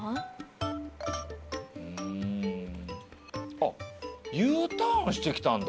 あＵターンしてきたんだ。